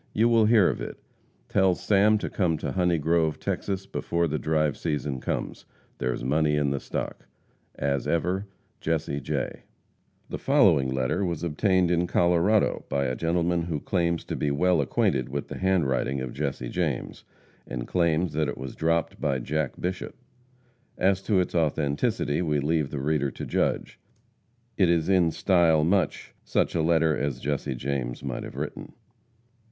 You will hear of it. Tell Sam to come to Honey Grove, Texas, before the 'drive season' comes. There's money in the stock. As ever, JESSE J. The following letter was obtained in Colorado, by a gentleman who claims to be well acquainted with the handwriting of Jesse James, and claims that it was dropped by Jack Bishop. As to its authenticity, we leave the reader to judge. It is in style much such a letter as Jesse James might have written.